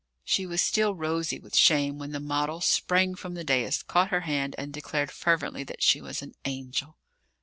She was still rosy with shame when the model sprang from the dais, caught her hand, and declared fervently that she was an angel.